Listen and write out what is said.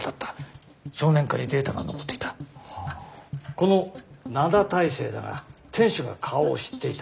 この灘大聖だが店主が顔を知っていた。